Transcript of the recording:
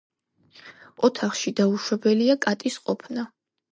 ოთახში დაუშვებელია კატის ყოფნა.